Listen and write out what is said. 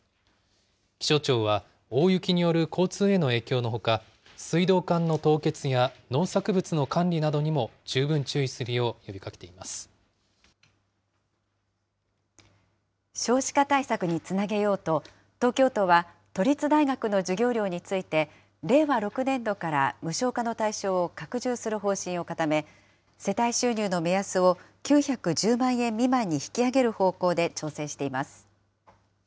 気象庁は大雪による交通への影響のほか、水道管の凍結や農作物の管理などにも十分注意するよう呼びかけて少子化対策につなげようと、東京都は都立大学の授業料について、令和６年度から無償化の対象を拡充する方針を固め、世帯収入の目安を９１０万円未満に引き上げる方向で調整しています。